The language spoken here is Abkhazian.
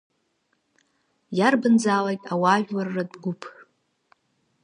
Иарбанзаалак ауаажәларратә гәыԥ.